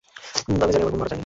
আমি জানি আমার বোন মারা যায়নি।